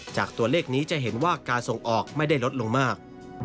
จากตัวเลขนี้จะเห็นว่าการส่งออกไม่ได้ลดลงมาก